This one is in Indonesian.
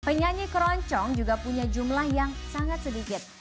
penyanyi keroncong juga punya jumlah yang sangat sedikit